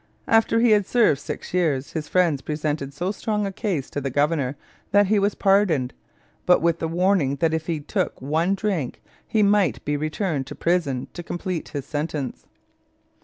After he had served six years his friends presented so strong a case to the governor that he was pardoned, but with the warning that if he took one drink he might be returned to prison to complete his sentence.